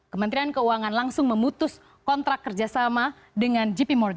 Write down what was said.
kementerian keuangan langsung memutus kontrak kerjasama dengan jp morg